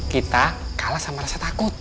kita kalah sama rasa takut